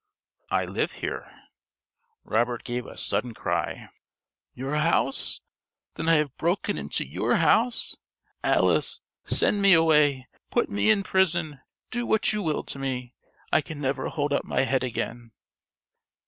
_) "I live here." Robert gave a sudden cry. "Your house! Then I have broken into your house! Alice, send me away! Put me in prison! Do what you will to me! I can never hold up my head again."